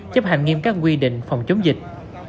chấp hành nghiêm các quy định phòng chống dịch